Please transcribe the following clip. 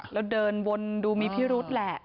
แล้วเดินวนดูมีพิรุษแหละ